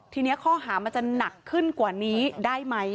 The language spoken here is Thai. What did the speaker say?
ทีนี้ข้อหามันจะหนักขึ้นกว่านี้ได้ไหม